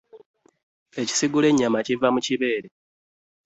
Ekisigula enyanna kiva mu kibeere .